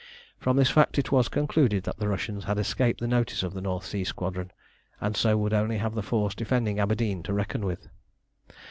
From this fact it was concluded that the Russians had escaped the notice of the North Sea Squadron, and so would only have the force defending Aberdeen to reckon with.